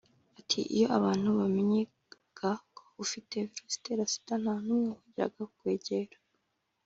Ati “Iyo abantu bamenyaga ko ufite Virusi itera Sida nta n’umwe wongeraga kukwegera